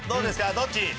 どっち？」